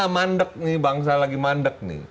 mandek nih bangsa lagi mandek nih